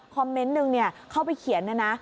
เมนต์หนึ่งเข้าไปเขียนนะนะ